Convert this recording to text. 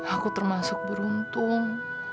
aku termasuk beruntung